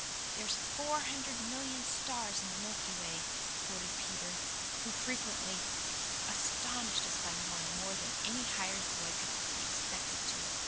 "There's four hundred million stars in the Milky Way," quoth Peter, who frequently astonished us by knowing more than any hired boy could be expected to.